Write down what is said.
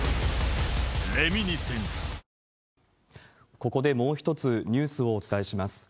ここでもう一つ、ニュースをお伝えします。